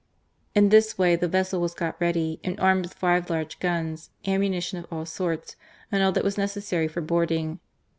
In this way the vessel was got ready, and armed with five large guns, ammuni tion of all sorts, and all that was necessary for boarding.